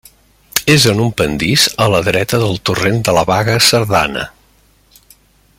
És en un pendís a la dreta del torrent de la Baga Cerdana.